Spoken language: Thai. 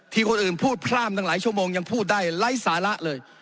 คนอื่นพูดพร่ามตั้งหลายชั่วโมงยังพูดได้ไร้สาระเลย